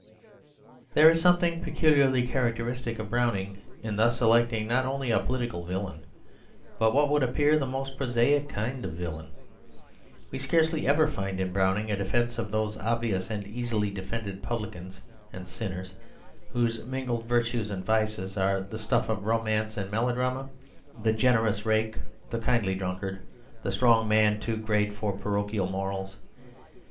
There is something peculiarly characteristic of Browning in thus selecting not only a political villain, but what would appear the most prosaic kind of villain. We scarcely ever find in Browning a defence of those obvious and easily defended publicans and sinners whose mingled virtues and vices are the stuff of romance and melodrama the generous rake, the kindly drunkard, the strong man too great for parochial morals.